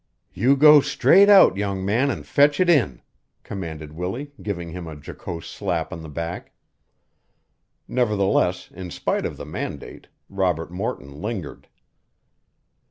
"You go straight out, young man, an' fetch it in," commanded Willie, giving him a jocose slap on the back. Nevertheless, in spite of the mandate, Robert Morton lingered.